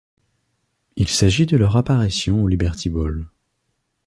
Il s'agit de leur apparition au Liberty Bowl.